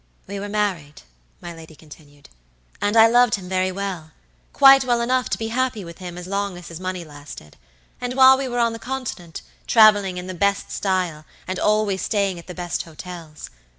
"We were married," my lady continued, "and I loved him very well, quite well enough to be happy with him as long as his money lasted, and while we were on the Continent, traveling in the best style and always staying at the best hotels.